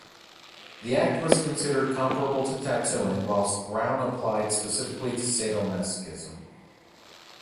The act was considered comparable to tattooing, whilst "Brown" applied specifically to sadomasochism.